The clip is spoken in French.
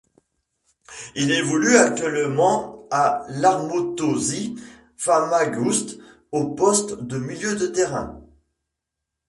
Il évolue actuellement à l'Anorthosis Famagouste au poste de milieu de terrain.